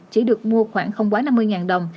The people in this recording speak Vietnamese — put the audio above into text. chỉ được mua khoảng không quá năm mươi đồng